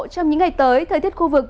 trong những ngày tới thời tiết khu vực